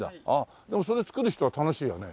それ作る人は楽しいよね。